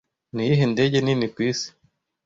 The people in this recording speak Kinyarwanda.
Niyihe ndege nini ku isi